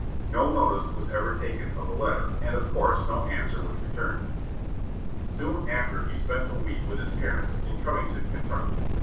No notice was ever taken of the letter, and, of course, no answer was returned. Soon after he spent a week with his parents, in Covington, Kentucky.